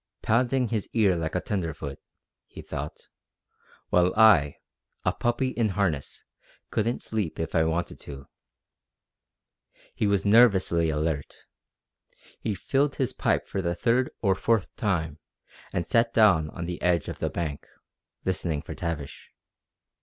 "Pounding his ear like a tenderfoot," he thought, "while I, a puppy in harness, couldn't sleep if I wanted to." He was nervously alert. He filled his pipe for the third or fourth time and sat down on the edge of the bunk, listening for Tavish.